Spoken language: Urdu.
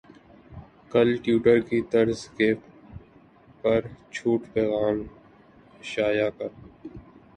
کل ٹیوٹر کی طرز کے پر چھوٹ پیغام شائع کر